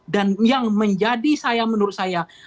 dan yang menjadi menurut saya